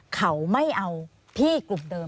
เขาไม่เอาพี่กลุ่มเดิม